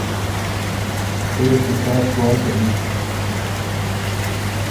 که او يې سُو سا سوال کوی